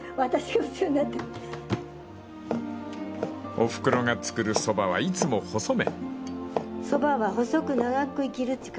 ［おふくろが作るそばはいつも細麺］